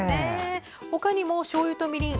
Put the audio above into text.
ほかにもしょうゆとみりん